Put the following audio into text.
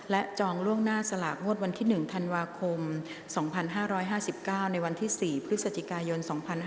และจองล่วงหน้าสลากงวดวันที่๑ธันวาคม๒๕๕๙ในวันที่๔พฤศจิกายน๒๕๕๙